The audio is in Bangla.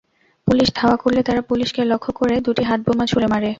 পুলিশ ধাওয়া করলে তারা পুলিশকে লক্ষ্য করে দুটি হাতবোমা ছুড়ে মারে।